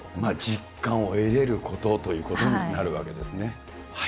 実感を得れることということになるわけですね。